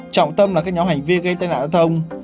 trọng tâm là các nhóm hành vi gây tai nạn giao thông